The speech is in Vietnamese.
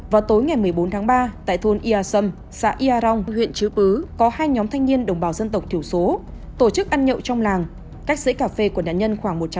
vào tối ngày một mươi bốn tháng ba tại thôn ia sâm xã ia rong huyện chư pứ có hai nhóm thanh niên đồng bào dân tộc thiểu số tổ chức ăn nhậu trong làng cách dãy cà phê của nạn nhân khoảng một trăm linh